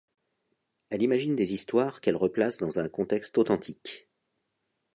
Elle imagine des histoires qu'elle replace dans un contexte authentique.